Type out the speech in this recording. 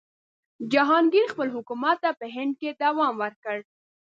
جهانګیر خپل حکومت ته په هند کې دوام ورکړ.